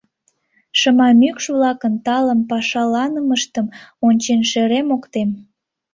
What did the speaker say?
Шыма мӱкш-влакын талын пашаланымыштым ончен шерем ок тем.